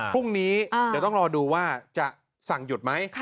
พรุ่งนี้เดี๋ยวต้องรอดูว่าจะสั่งหยุดไหม